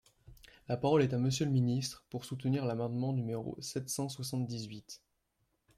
La parole est à Monsieur le ministre, pour soutenir l’amendement numéro sept cent soixante-dix-huit.